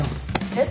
えっ？